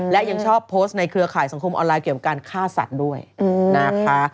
และยังชอบโพสต์ในเครือข่ายสังคมออนไลเกี่ยวกับการฆ่าสัตว์ด้วยนะคะ